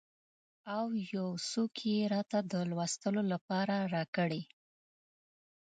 او یو څوک یې راته د لوستلو لپاره راکړي.